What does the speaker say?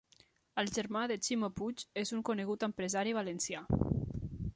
El germà de Ximo Puig és un conegut empresari valencià